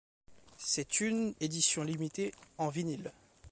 C'est une édition limitée en vinyle.